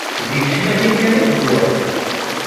Di tecmatin kan i teẓwer.